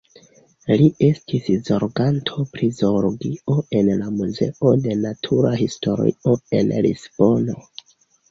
Li estis zorganto pri zoologio en la Muzeo de Natura Historio en Lisbono.